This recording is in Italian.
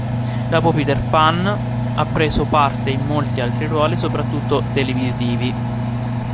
Dopo Peter Pan, ha preso parte in molti altri ruoli, soprattutto televisivi.